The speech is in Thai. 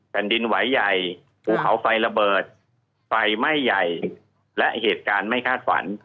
แผ่นดินไหวใหญ่ภูเขาไฟระเบิดไฟไหม้ใหญ่และเหตุการณ์ไม่คาดฝัน